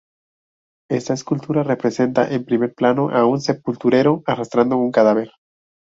Esta escultura representa en primer plano a un sepulturero arrastrando un cadáver.